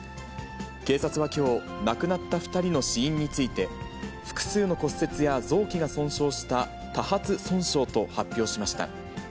警察はきょう、亡くなった２人の死因について、複数の骨折や臓器が損傷した多発損傷と発表しました。